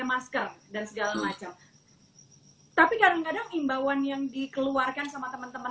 masker dan segala macam tapi kadang kadang imbauan yang dikeluarkan sama teman teman